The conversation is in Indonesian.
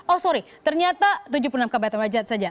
oh sorry ternyata tujuh puluh enam kabupaten derajat saja